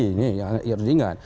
ini yang harus diingat